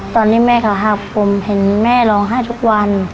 ตอนนี้แม่เขาหักผมเห็นแม่ร้องไห้ทุกวัน